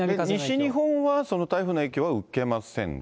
西日本はその台風の影響は受けませんか。